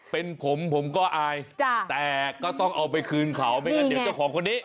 เป็นผมผมก็อายแต่ก็ต้องเอาไปคืนเขาไม่งั้นเดี๋ยวเจ้าของคนนี้